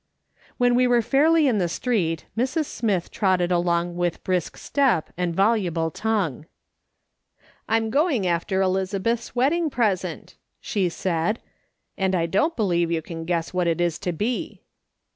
When we were fairly in the street, Mrs. Smith trotted along with brisk step and voluble tongue. " I'm going after Elizabeth's wedding present," she said, " and I don't believe you can guess what it is to be."